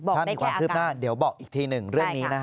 บอกได้แค่อาการ